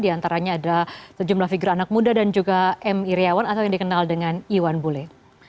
di antaranya ada sejumlah figur anak muda dan juga m iryawan atau yang dikenal dengan iwan bule